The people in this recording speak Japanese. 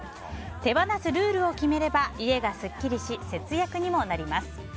手放すルールを決めれば家がすっきりし節約にもなります。